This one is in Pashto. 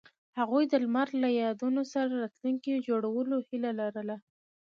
هغوی د لمر له یادونو سره راتلونکی جوړولو هیله لرله.